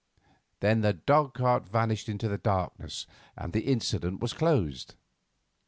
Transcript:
Then the dog cart vanished into the darkness, and the incident was closed.